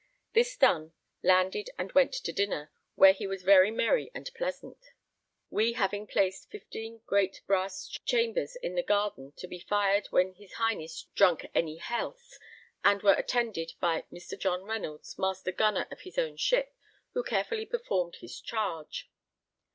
This done, landed and went to dinner, where he was very merry and pleasant; we having placed 15 great brass chambers in the garden to be fired when his Highness drunk any healths, and were attended by Mr. John Reynolds, master gunner of his own ship, who carefully performed his charge.